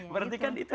berarti kan itu